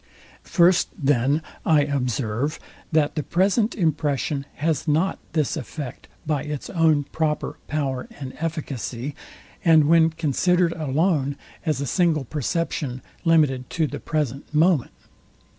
First then I observe, that the present impression has not this effect by its own proper power and efficacy, and when considered alone, as a single perception, limited to the present moment.